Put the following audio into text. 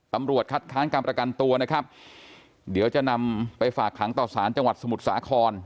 ตำรวจคัดค้างการประกันตัวนะครับเดี๋ยวจะนำไปฝากขังต่อสารจังหวัดสมุทรสาคร